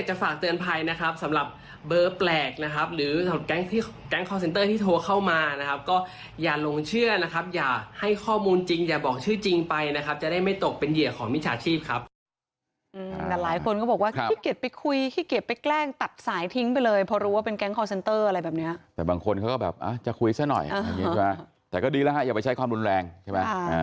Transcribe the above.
จะได้ไม่ตกเป็นเหยียกของมิชาชีพครับ